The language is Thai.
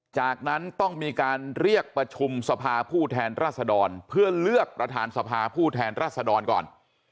จากนั้นต้องมีการเรียกประชุมสภาผู้แทนรัศดรเพื่อเลือกประธานสภาผู้แทนรัศดรก่อน